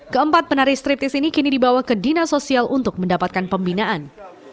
keempat penari striptis ini kini dibawa ke dinas sosial untuk mendapatkan pembinaan